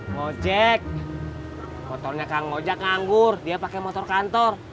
ngojek motornya kang ngojek nganggur dia pake motor kantor